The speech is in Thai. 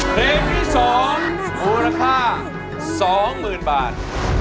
เพลงที่สองมูลค่า๒หมื่นบาท